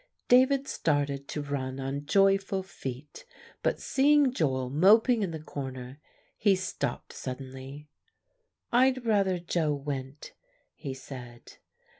David started to run on joyful feet; but seeing Joel moping in the corner, he stopped suddenly, "I'd rather Joe went," he said.